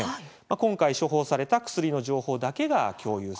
今回、処方された薬の情報だけが共有されます。